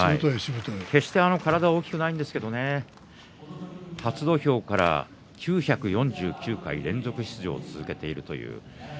決して体は大きくないんですけど初土俵から９４９回連続出場を続けている。